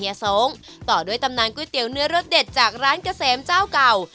โยเซงส์ต่อด้วยตำนานกุ้ยเตี๋ยวเนื้อรสเด็ดจากร้านกระเสมเจ้าเก่า